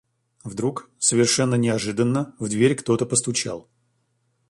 Вдруг, совершенно неожиданно, в дверь кто-то постучал.